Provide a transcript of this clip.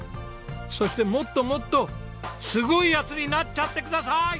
そしてもっともっとすごいヤツになっちゃってくださーい！